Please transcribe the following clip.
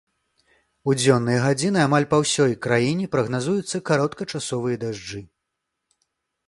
У дзённыя гадзіны амаль па ўсёй краіне прагназуюцца кароткачасовыя дажджы.